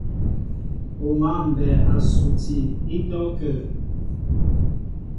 O mǎ mbɛɛ a suti ítɔ́kə́ə́.